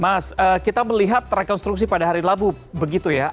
mas kita melihat rekonstruksi pada hari labu begitu ya